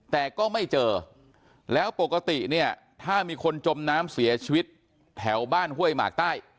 แต่ก็ไม่เจอแล้วปกติเนี่ยถ้ามีคนจมน้ำเสียชีวิตแถวบ้านห้วยหมากใต้